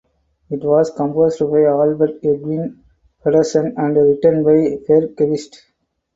It was composed by Albert Edvin Pedersen and written by Per Kvist.